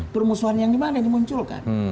permusuhan yang dimana dimunculkan